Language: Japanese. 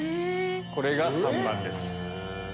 これが３番です。